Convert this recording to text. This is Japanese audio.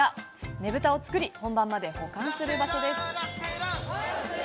ねぶたを作り本番まで保管する場所です。